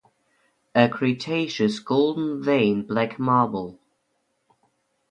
A cretaceous golden veined black marble.